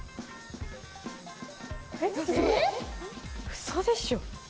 ウソでしょ？